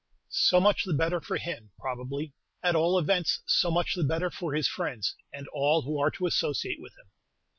"So much the better for him, probably; at all events, so much the better for his friends, and all who are to associate with him."